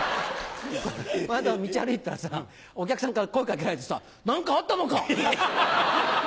この間も道歩いてたらさお客さんから声掛けられてさ「何かあったのか？」。